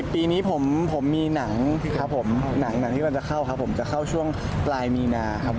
ปีนี้ผมมีหนังที่จะเข้าจะเข้าช่วงปลายมีนา